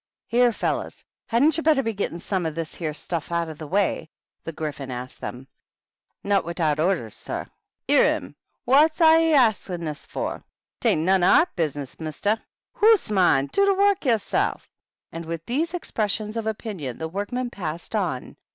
"Here, fellows, hadn't you better be gettin' some of this here stuff out of the way?'* the Gryphon asked them. " Not widout orders, sorr." "'Ear him I Wot's 'e a hasking hus forf " 'Tain't none o' our business, mister !"" Hoots, mon ! do the wark yersel' !" And with these expressions of opinion the workmen passed on.